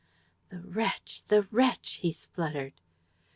"The wretch! The wretch!" he spluttered.